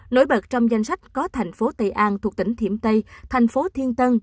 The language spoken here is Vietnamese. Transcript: nối bật trong danh sách có thành phố tây an thuộc tỉnh thiểm tây thành phố thiên tân